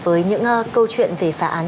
với những câu chuyện về phá án